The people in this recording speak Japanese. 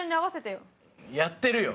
やってるよ。